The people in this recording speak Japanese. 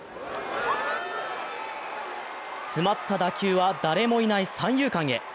詰まった打球は、誰もいない三遊間へ。